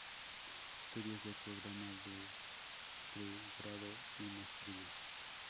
Estudios del programa de pregrado y maestría.